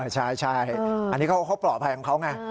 ใช่อันนี้เขาปลอดภัยของเขาไง